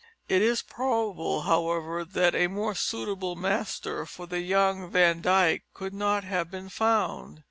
It is probable, however, that a more suitable master for the young Van Dyck could not have been found.